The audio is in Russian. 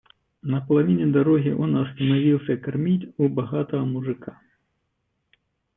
На половине дороги он остановился кормить у богатого мужика.